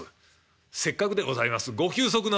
せっかくでございますご休息なさいましては？」。